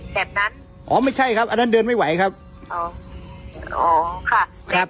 แบบนั้นอ๋อไม่ใช่ครับอันนั้นเดินไม่ไหวครับอ๋ออ๋อค่ะครับ